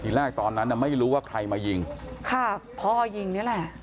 แรกตอนนั้นน่ะไม่รู้ว่าใครมายิงค่ะพ่อยิงนี่แหละ